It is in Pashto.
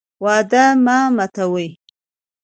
وعده مه ماتوئ